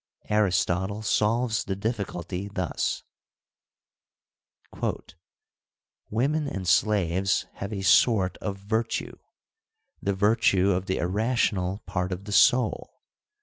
Aristotle solves the difficulty thus : Women and slaves have a sort of virtue, the virtue of the irrational part of the soul.